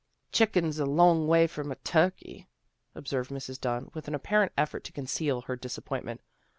" A chicken's a long way from turkey," observed Mrs. Dunn, with an apparent effort to conceal her disappointment.